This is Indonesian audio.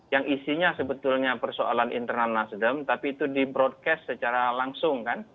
yang isinya sebetulnya persoalan internal nasdem tapi itu di broadcast secara langsung kan